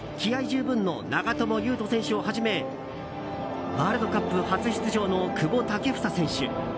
十分の長友佑都選手をはじめワールドカップ初出場の久保建英選手